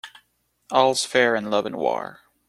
All's fair in love and war.